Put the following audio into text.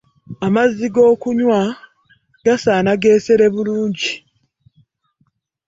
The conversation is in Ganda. Amazzi g'okunywa gasaana geesere bulungi.